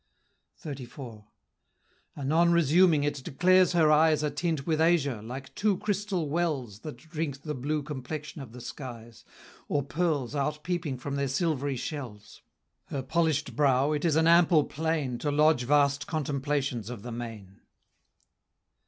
XXXIV. Anon resuming, it declares her eyes Are tint with azure, like two crystal wells That drink the blue complexion of the skies, Or pearls outpeeping from their silvery shells: Her polish'd brow, it is an ample plain, To lodge vast contemplations of the main.